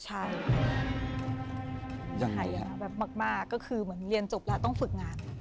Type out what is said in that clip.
ใช่แบบมากก็คือเหมือนเรียนจบแล้วต้องฝึกงาน